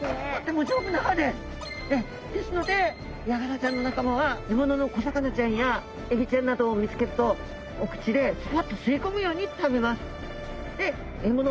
ですのでヤガラちゃんの仲間は獲物の小魚ちゃんやエビちゃんなどを見つけるとお口でスパッと吸い込むように食べます。